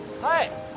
はい。